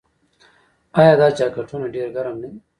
آیا دا جاکټونه ډیر ګرم نه دي؟